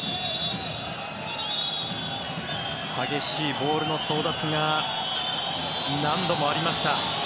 激しいボールの争奪が何度もありました。